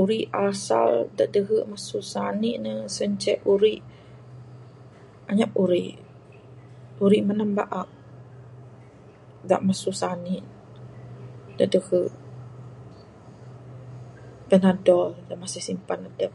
Uri asal dak dehe su sani ne sien ceh uri inyap uri mendam baak, dak mesu sani dak dehe panadol dak masih simpan adep.